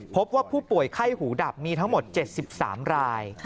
พบว่าผู้ป่วยไข้หูดับมีทั้งหมด๗๓ราย